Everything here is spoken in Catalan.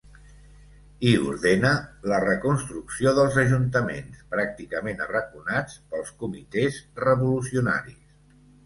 I ordena la reconstrucció dels ajuntaments, pràcticament arraconats pels comitès revolucionaris.